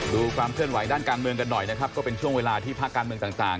ดูความเคลื่อนไหวด้านการเมืองกันหน่อยนะครับก็เป็นช่วงเวลาที่ภาคการเมืองต่าง